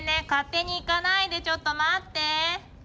勝手に行かないで、ちょっと待ってー。